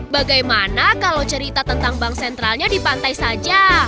bagaimana kalau cerita tentang bank sentralnya di pantai saja